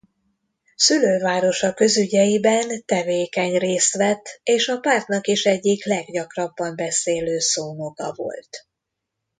Szülővárosa közügyeiben tevékeny részt vett és a pártnak is egyik leggyakrabban beszélő szónoka volt.